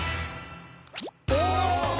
・お！